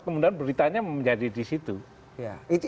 kemudian beritanya menjadi di situ